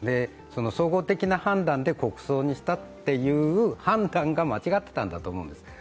総合的な判断で国葬にしたという判断が間違っていたんだと思うんです。